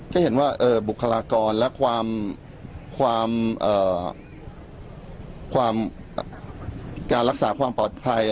ก็เห็นว่าเอ่อบุคลากรและความความเอ่อความการรักษาความปลอดภัย